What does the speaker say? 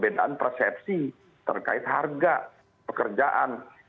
perbedaan persepsi terkait harga pekerjaan